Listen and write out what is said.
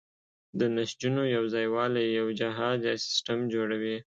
د نسجونو یوځای والی یو جهاز یا سیستم جوړوي.